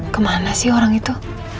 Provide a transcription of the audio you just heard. kemana sih orang itu